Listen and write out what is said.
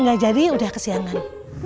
nggak jadi udah kesiangan